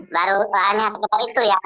baru hanya sekitar itu ya